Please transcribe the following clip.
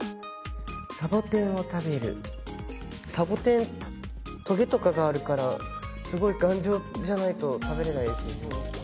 サボテンを食べるサボテントゲとかがあるからすごい頑丈じゃないと食べれないですよね